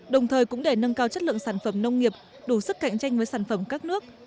đồng thời cũng để nâng cao chất lượng sản phẩm nông nghiệp đủ sức cạnh tranh với sản phẩm các nước